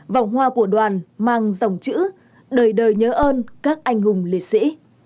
vòng hoa của đoàn mang dòng chữ đời đời nhớ ơn các anh hùng liệt sĩ